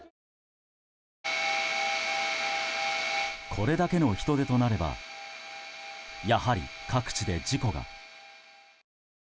これだけの人出となればやはり各地で事故が。